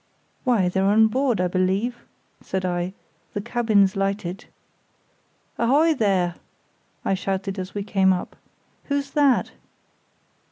"Why, they're on board, I believe," said I; "the cabin's lighted. Ahoy there!" I shouted as we came up. "Who's that?"